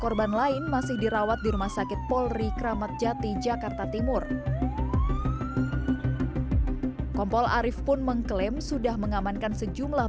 rumah sakit polri kramatjati jakarta timur kompol arief pun mengklaim sudah mengamankan sejumlah